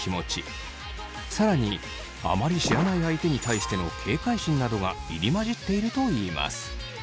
更にあまり知らない相手に対しての警戒心などが入り混じっているといいます。